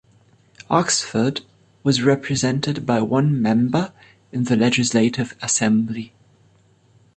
Oxford was represented by one member in the Legislative Assembly.